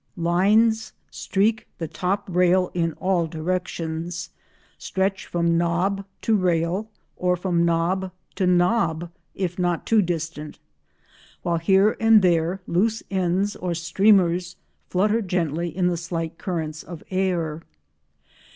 Lines streak the top rail in all directions, stretch from knob to rail, or from knob to knob if not too distant, while here and there loose ends or streamers flutter gently in the slight currents of air.